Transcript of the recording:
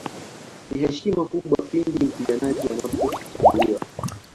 Ni heshima kubwa pindi mpiganaji anapochaguliwa